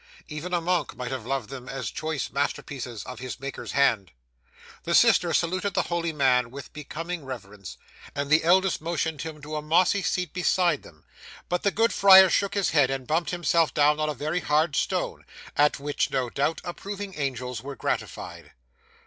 Even a monk might have loved them as choice masterpieces of his Maker's hand. 'The sisters saluted the holy man with becoming reverence, and the eldest motioned him to a mossy seat beside them. But the good friar shook his head, and bumped himself down on a very hard stone, at which, no doubt, approving angels were gratified.